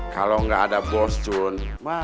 kalau gak ada bos jun